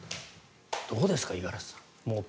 どうですか、五十嵐さん。